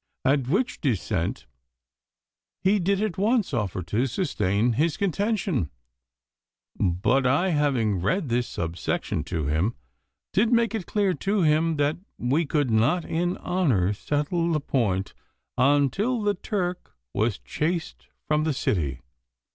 At which dissent he did at once offer to sustain his contention, but I, having read this subsection to him, did make it clear to him that we could not in honour settle the point until the Turk was chased from the city.